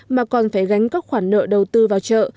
mà còn phải gánh các khoản nợ đầu tư vào chợ